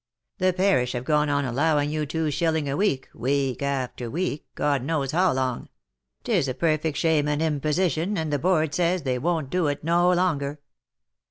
The parish have gone on allow ing you two shilling a week, week after week, God knows how long — 'tis a perfect shame and imposition, and the board says they won't do it no longer.